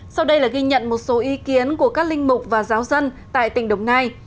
sau đây là ghi nhận một số ý kiến của các linh mục và giáo dân tại tỉnh đồng nai